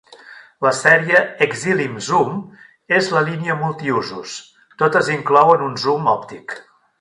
La sèrie 'Exilim Zoom' és la línia multiusos, totes inclouen un zoom òptic.